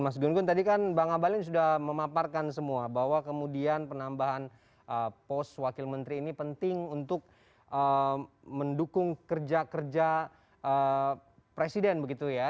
mas gun gun tadi kan bang abalin sudah memaparkan semua bahwa kemudian penambahan pos wakil menteri ini penting untuk mendukung kerja kerja presiden begitu ya